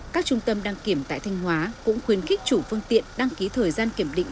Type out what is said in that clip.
các trung tâm đăng kiểm tại thanh hóa cũng khuyến khích chủ phương tiện đăng ký thời gian kiểm định